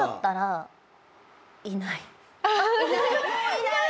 いない。